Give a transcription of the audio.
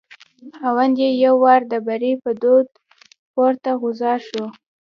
خاوند یې یو وار د بري په دود پورته غورځار شو.